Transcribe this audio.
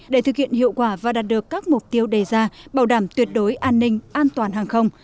để thực hiện hiệu quả và đạt được các mục tiêu đề ra bảo đảm tuyệt đối an ninh an toàn hàng không